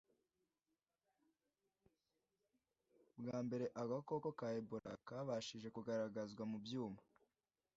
Bwa mbere agakoko ka Ebola kabashije kugaragazwa mu byuma